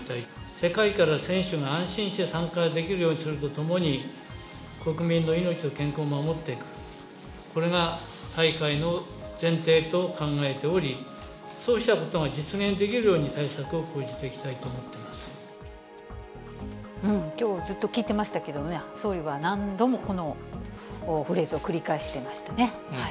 世界から選手が安心して参加できるようにするとともに、国民の命と健康を守っていく、これが大会の前提と考えており、そうしたことが実現できるように対策を講じていきたいと思っていきょう、ずっと聞いてましたけれどもね、総理は何度もこのフレーズを繰り返していましたね。